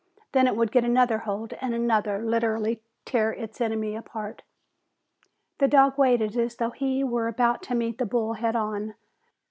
Then it would get another hold, and another, and literally tear its enemy apart. The dog waited, as though he were about to meet the bull head on.